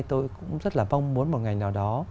tôi cũng rất là mong muốn một ngành nào đó